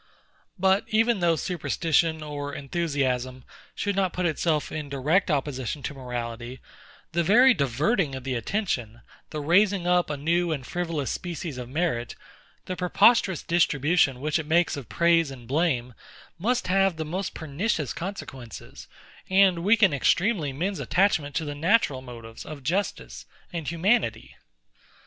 But even though superstition or enthusiasm should not put itself in direct opposition to morality; the very diverting of the attention, the raising up a new and frivolous species of merit, the preposterous distribution which it makes of praise and blame, must have the most pernicious consequences, and weaken extremely men's attachment to the natural motives of justice and humanity.